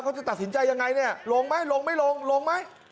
เขาจะตัดสินใจยังไงเนี่ยลงไหมลงไม่ลงลงไหม